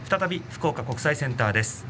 福岡国際センターです。